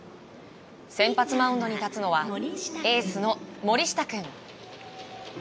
先発マウンドに立つのはエースの森下君。